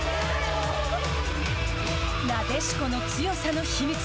なでしこの強さの秘密。